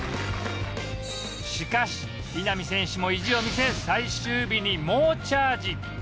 しかし稲見選手も意地を見せ最終日に猛チャージ